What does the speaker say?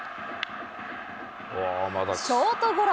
ショートゴロ。